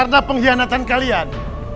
karena pengkhianatan kalian